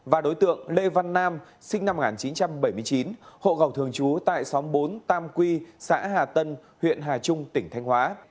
và đối tượng lê văn nam sinh năm một nghìn chín trăm bảy mươi chín hộ khẩu thường trú tại xóm bốn tam quy xã hà tân huyện hà trung tỉnh thanh hóa